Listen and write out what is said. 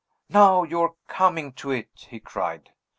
"Now you are coming to it!" he cried.